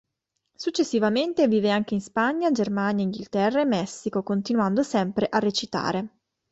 Successivamente vive anche in Spagna, Germania, Inghilterra e Messico, continuando sempre a recitare.